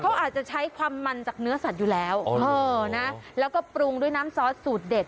เขาอาจจะใช้ความมันจากเนื้อสัตว์อยู่แล้วเออนะแล้วก็ปรุงด้วยน้ำซอสสูตรเด็ด